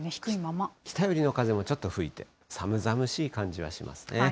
北寄りの風もちょっと吹いて、寒々しい感じはしますね。